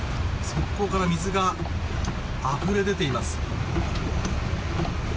側溝から水があふれ出ています。